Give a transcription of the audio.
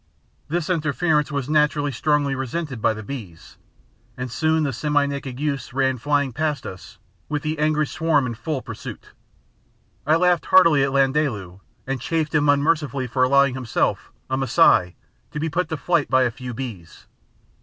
This interference was naturally strongly resented by the bees, and soon the semi naked youths ran flying past us with the angry swarm in full pursuit. I laughed heartily at Landaalu, and chaffed him unmercifully for allowing himself, a Masai, to be put to flight by a few bees.